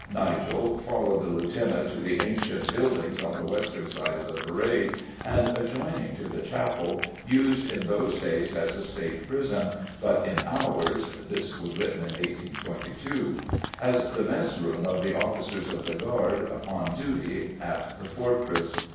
Nigel "followed the lieutenant to the ancient buildings on the western side of the parade, and adjoining to the chapel, used in those days as a State prison, but in ours [this was written in 1822] as the mess room of the officers of the guard upon duty at the fortress.